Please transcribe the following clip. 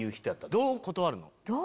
どう断る？